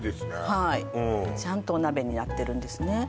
はいちゃんとお鍋になってるんですね